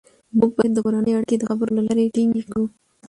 موږ باید د کورنۍ اړیکې د خبرو له لارې ټینګې کړو